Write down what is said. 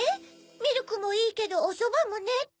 「ミルクもいいけどおソバもね」って？